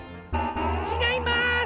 ちがいます！